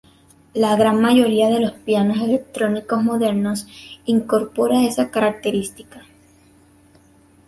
La gran mayoría de los pianos electrónicos modernos incorpora esa característica.